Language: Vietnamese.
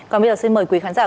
còn bây giờ xin mời quý khán giả